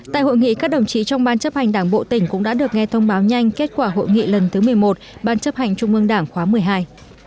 tại hội nghị các đồng chí trong ban chấp hành đảng bộ tỉnh cũng đã được nghe thông báo nhanh kết quả hội nghị lần thứ một mươi một ban chấp hành trung ương đảng khóa một mươi hai